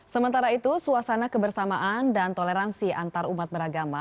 sementara itu suasana kebersamaan dan toleransi antarumat beragama